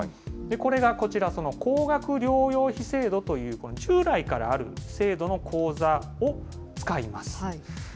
これがこちら、その高額療養費制度という、この従来からある制度の口座を使います。